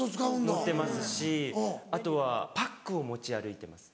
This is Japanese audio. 持ってますしあとはパックを持ち歩いてます。